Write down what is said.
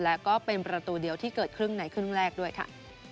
และก็เป็นประตูเดียวที่เกิดครึ่งในครึ่งแรกด้วยค่ะ